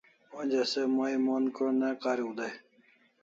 Onja se mai mon ko'n' ne kariu dai